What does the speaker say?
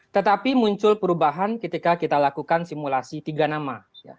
tetapi muncul perubahan ketika kita lakukan simulasi tiga nama